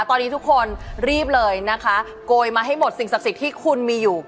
ตอนนี้ทุกคนรีบเลยนะคะโกยมาให้หมดสิ่งศักดิ์สิทธิ์ที่คุณมีอยู่